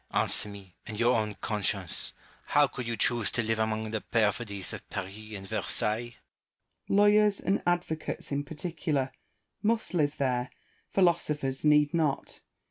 Roibsseau. Answer me, and your own conscience : how could you choose to live among the perfidies of Paris and Versailles ? Malesherbes. Lawyers, and advocates in particular, must live there ; philosophers need not.